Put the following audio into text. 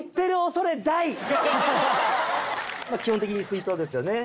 基本的に水筒ですよね。